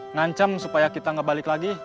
ngancam supaya kita gak balik lagi